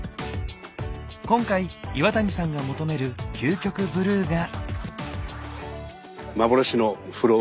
今回岩谷さんが求める究極ブルーが？